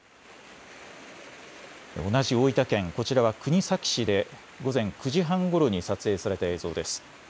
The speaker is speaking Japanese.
同じ大分県、こちらは国東市で午前９時半ごろに撮影された映像です。